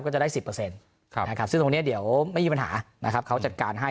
จะได้๑๐ซึ่งตรงนี้เดี๋ยวไม่มีปัญหาเขาจัดการให้